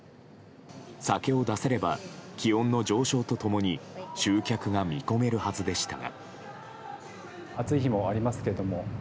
酒を出せれば気温の上昇と共に集客が見込めるはずですが。